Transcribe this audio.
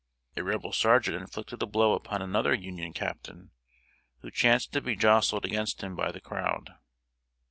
A Rebel sergeant inflicted a blow upon another Union captain who chanced to be jostled against him by the crowd.